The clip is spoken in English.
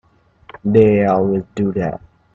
They always do that.